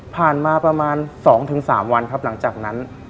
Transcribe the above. ผ่านมาประมาณ๒๓วันครับหลังจากนั้น